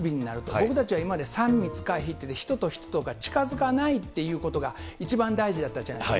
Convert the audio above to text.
僕たちは今まで３密回避というので、人と人とが近づかないっていうことが一番大事だったじゃないですか。